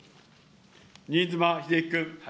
新妻秀規君。